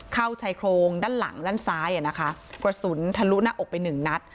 ชายโครงด้านหลังด้านซ้ายอ่ะนะคะกระสุนทะลุหน้าอกไปหนึ่งนัด